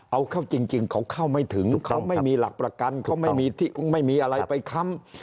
เอาเข้าจริงเขาเข้าไม่ถึงเขาไม่มีหลักประกันเขาไม่มีอะไรไปค้ำ